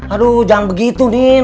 aduh jangan begitu din